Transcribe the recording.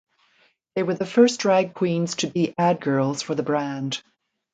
They were the first drag queens to be ad girls for the brand.